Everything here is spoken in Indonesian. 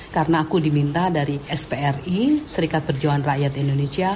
karena aku diminta dari spri serikat perjuangan rakyat indonesia